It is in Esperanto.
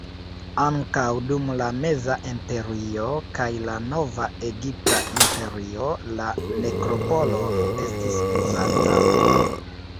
Ankaŭ dum la Meza Imperio kaj la Nova Egipta Imperio la nekropolo estis uzata.